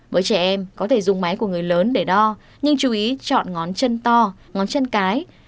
với trẻ em có thể dùng máy của người lớn để đo nhưng chú ý chọn ngón chân to ngón chân cái